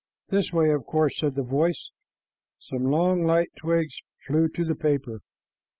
"This way, of course," said the voice. Some long, light twigs flew to the paper.